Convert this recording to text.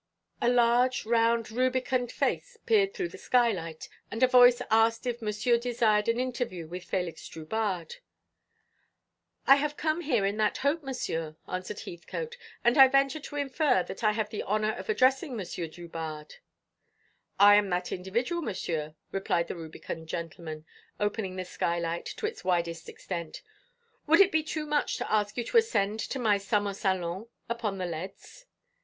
A large, round, rubicund face peered through the skylight, and a voice asked if Monsieur desired an interview with Félix Drubarde. "I have come here in that hope, Monsieur," answered Heathcote, "and I venture to infer that I have the honour of addressing Monsieur Drubarde." "I am that individual, Monsieur," replied the rubicund gentleman, opening the skylight to its widest extent. "Would it be too much to ask you to ascend to my summer salon upon the leads?